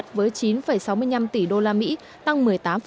trung quốc là nhà cung cấp lớn nhất với chín sáu mươi năm tỷ usd tăng một mươi tám